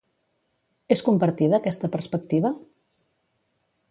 És compartida aquesta perspectiva?